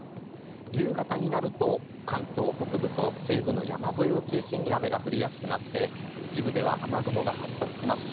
夕方になると関東北部と西部の山沿いを中心に雨が降りやすくなって一部では雨雲が発達します。